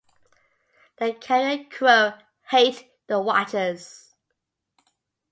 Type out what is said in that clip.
The Carrion Crow hate the Watchers.